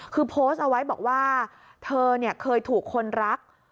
คือโพสต์เอาไว้บอกว่าเธอเนี่ยเคยถูกคนรัก